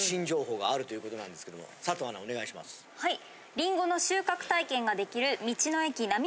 りんごの収穫体験ができる道の駅なみ